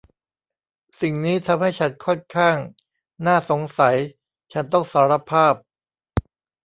สิ่งนี้ทำให้ฉันค่อนข้างน่าสงสัยฉันต้องสารภาพ